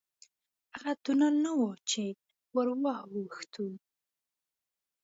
هغه تونل نه و چې ورواوښتو.